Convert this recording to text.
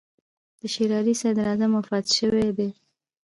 د شېر علي صدراعظم وفات شوی دی.